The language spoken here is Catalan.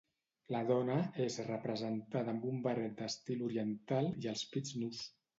La dona és representada amb un barret d'estil oriental i els pits nus.